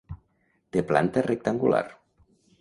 Té planta rectangular.